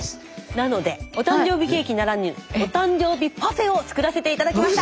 なのでお誕生日ケーキならぬお誕生日パフェを作らせて頂きました！